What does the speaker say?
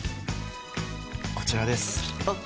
こちらです。